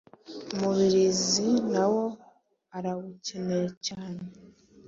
Umubirizi nawo arawukeneye cyane